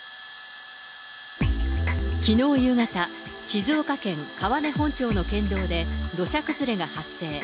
きのう夕方、静岡県川根本町の県道で、土砂崩れが発生。